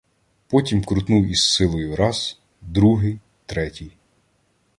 Потім крутнув із силою раз, другий, третій.